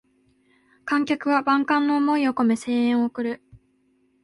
観客は万感の思いをこめ声援を送る